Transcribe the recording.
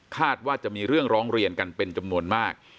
ว่าจะมีเรื่องร้องเรียนกันเป็นจำนวนมาก